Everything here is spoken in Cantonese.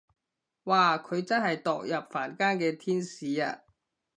哇佢真係墮入凡間嘅天使啊